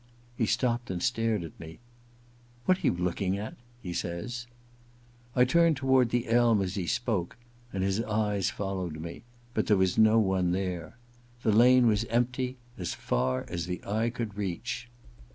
He stopped and stared at me. * What are you looking at ?' he says. I turned toward the elm as he spoke, and his eyes followed me ; but there was no one there. The lane was empty as far as the eye could reach.